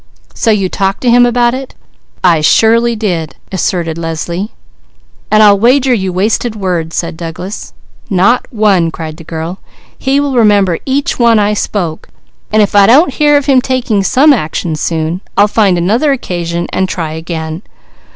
"So you talked to him about her?" "I surely did!" asserted Leslie. "And I'll wager you wasted words," said Douglas. "Not one!" cried the girl. "He will remember each one I spoke. If I don't hear of him taking some action soon, I'll find another occasion, and try again.